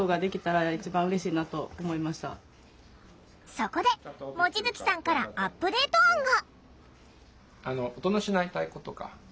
そこで望月さんからアップデート案が。